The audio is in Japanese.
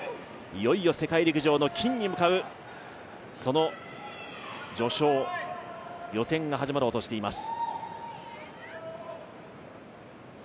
いよいよ世界陸上の金に向かう、その序章、予選が始まろうとしています。